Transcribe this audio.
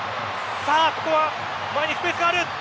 ここは前にスペースがある。